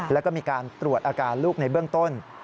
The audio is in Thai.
แล้วก็มีการตรวจอาการลูกในเบื้องต้น